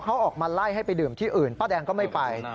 เขาออกมาไล่ให้ไปดื่มที่อื่นป้าแดงก็ไม่ไป